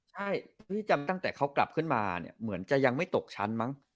ใช่พี่จำตั้งแต่เขากลับขึ้นมาเนี่ยเหมือนจะยังไม่ตกชั้นมั้ง